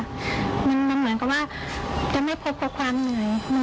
มันเหมือนกับว่าจะไม่พบกับความเหนื่อย